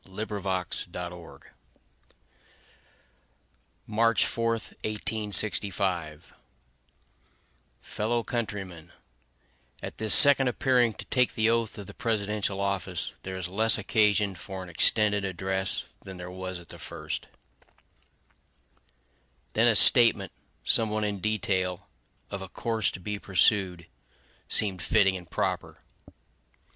Lincoln's Second Inaugural Address March 4, 1865 Fellow countrymen: At this second appearing to take the oath of the presidential office, there is less occasion for an extended address than there was at the first. Then a statement, somewhat in detail, of a course to be pursued, seemed fitting and proper.